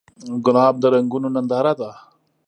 ګلاب د رنګونو ننداره ده.